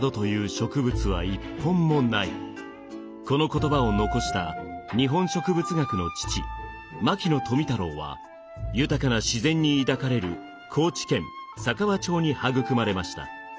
この言葉を残した日本植物学の父牧野富太郎は豊かな自然に抱かれる高知県佐川町に育まれました。